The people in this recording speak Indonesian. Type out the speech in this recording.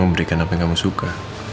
memberikan apa yang kamu suka